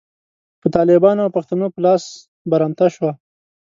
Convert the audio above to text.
په طالبانو او پښتنو په لاس برمته شوه.